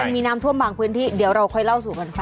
มีน้ำท่วมบางพื้นที่เดี๋ยวเราค่อยเล่าสู่กันฟัง